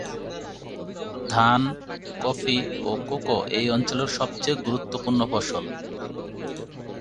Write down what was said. ধান, কফি ও কোকো এই অঞ্চলের সবচেয়ে গুরুত্বপূর্ণ ফসল।